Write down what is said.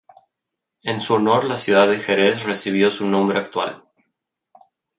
En su honor la ciudad de Jerez recibió su nombre actual.